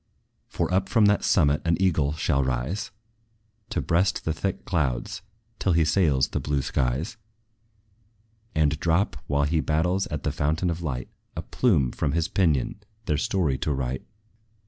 For up from that summit an eagle shall rise, To breast the thick clouds, till he sails the blue skies; And drop, while he bathes at the fountain of light, A plume from his pinion their story to write.